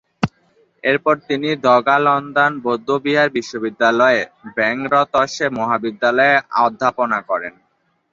এরপর তিনি দ্গা'-ল্দান বৌদ্ধবিহার বিশ্ববিদ্যালয়ের ব্যাং-র্ত্সে মহাবিদ্যালয়ে অধ্যাপনা করেন।